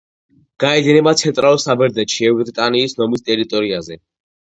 გაედინება ცენტრალურ საბერძნეთში, ევრიტანიის ნომის ტერიტორიაზე.